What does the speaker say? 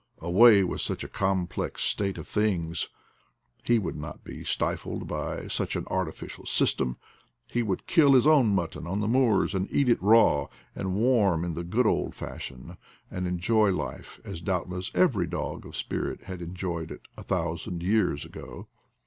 Away with such a complex state of things ! He would not be stifled by such an artificial system; he would kill his own mutton on the moors, and eat it raw and warm in the good old fashion, and enjoy life, as, doubtless, every dog of spirit had enjoyed it a thousand years ago!